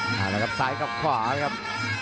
กับทรายกับขวาครับ